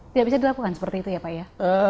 tidak bisa dilakukan seperti itu ya pak ya